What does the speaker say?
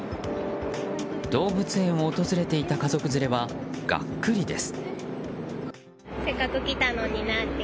動物園を訪れていた家族連れはがっくりです。